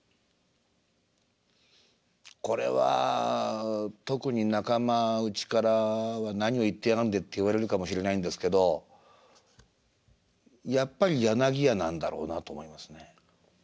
これは特に仲間内からは何を言ってやがんでって言われるかもしれないんですけどやっぱり柳家なんだろうなと思いますね。